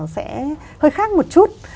sẽ hơi khác một chút